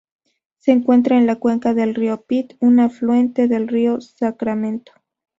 Se encuentra en la cuenca del río Pit, un afluente del río Sacramento.